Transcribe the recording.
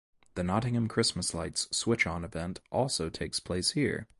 The Nottingham Christmas Lights switch-on event also takes place here.